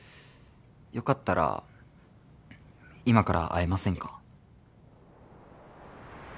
良かったら今から会えませんか？